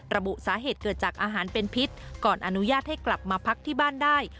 ระบุสาเหตุเกิดจากอาหารเป็นพิษก่อนอนุญาตให้กลับมาพักที่บ้านได้